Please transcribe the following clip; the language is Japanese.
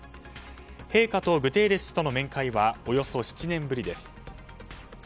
陛下とグテーレス氏との面会はおよそ７年ぶりです。